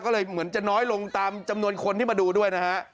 ก็เลยเหมือนจะน้อยลงตามจำนวนคนที่มาดูด้วยนะฮะ